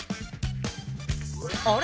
あれ？